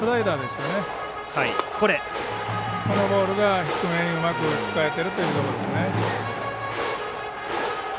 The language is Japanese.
このボールが低めにうまく使えてるということですね。